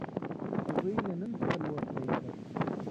هغوی له نن څخه نوښت پیل کړ.